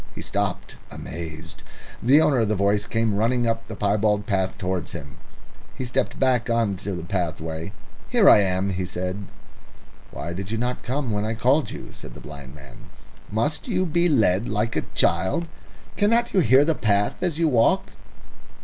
He stopped amazed. The owner of the voice came running up the piebald path towards him. He stepped back into the pathway. "Here I am," he said. "Why did you not come when I called you?" said the blind man. "Must you be led like a child? Cannot you hear the path as you walk?"